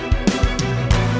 ya kita berhasil